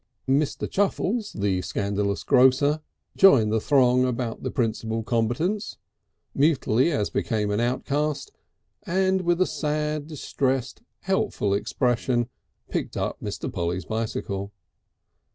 Mr. Chuffles, the scandalous grocer, joined the throng about the principal combatants, mutely as became an outcast, and with a sad, distressed helpful expression picked up Mr. Polly's bicycle.